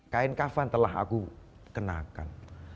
kain kafan telah aku kenakan